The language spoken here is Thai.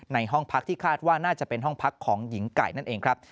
ห้องพักที่คาดว่าน่าจะเป็นห้องพักของหญิงไก่นั่นเองครับ